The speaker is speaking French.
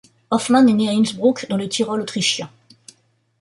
Hoffman est né à Innsbruck, dans le Tyrol autrichien.